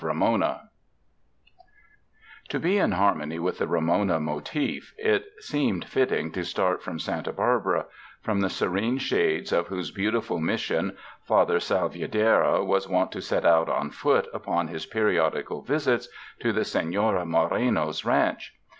Camulos To be in harmony with the ''Ramona" motif, it seemed fitting to start from Santa Barbara, from the serene shades of whose beautiful Mission Father Salvierderra was wont to set out on foot upon his periodical visits to the Seiiora Moreno's ranch.